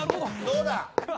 どうだ？